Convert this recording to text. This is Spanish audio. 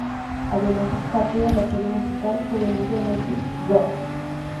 Además es parte de la serie musical juvenil de Netflix "Go!